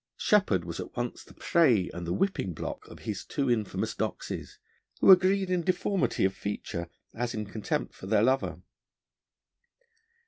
Sheppard was at once the prey and the whipping block of his two infamous doxies, who agreed in deformity of feature as in contempt for their lover.